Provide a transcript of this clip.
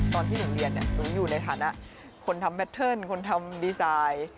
ตอนที่หนูเรียนหนูอยู่ในฐานะคนทำแท่นคนทำดีไซน์